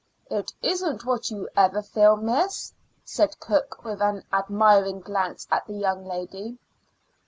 "It isn't what you ever feel, miss," said cook with an admiring glance at the young lady.